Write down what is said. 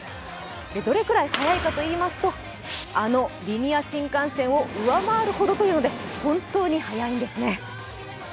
どれぐらい速いかといいますと、あのリニア新幹線を上回るほどというので、本当に速いんですね。